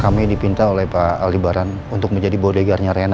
kami dipinta oleh pak aldi baran untuk menjadi bodegarnya renna